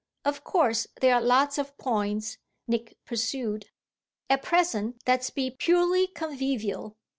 Of course there are lots of points," Nick pursued. "At present let's be purely convivial.